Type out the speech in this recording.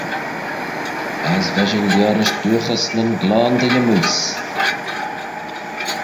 As va shin liorish dooghys nyn gloan dy yymmoose.